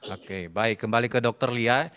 oke baik kembali ke dokter lia